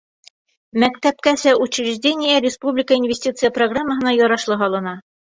Мәктәпкәсә учреждение республика инвестиция программаһына ярашлы һалына.